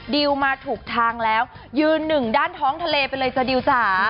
ดิวมาถูกทางแล้วยืนหนึ่งด้านท้องทะเลไปเลยจ้ดิวจ๋า